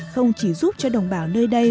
không chỉ giúp cho đồng bào nơi đây